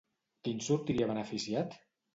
Qui en sortiria beneficiat?